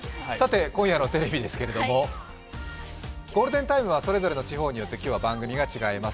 今夜のテレビですけどゴールデンタイムはそれぞれの地方によって今日は番組が違います。